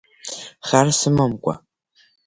Хар сымамкәа…